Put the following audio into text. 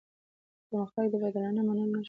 پرمختګ د بدلانه د منلو نښه ده.